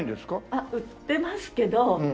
あっ売ってますけど。